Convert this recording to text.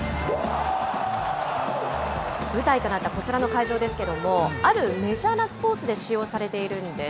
舞台となったこちらの会場ですけれども、あるメジャーなスポーツで使用されているんです。